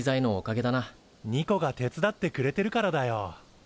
ニコが手伝ってくれてるからだよ。